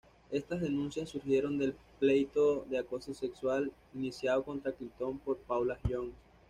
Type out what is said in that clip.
Estas denuncias surgieron del pleito de acoso sexual iniciado contra Clinton por Paula Jones.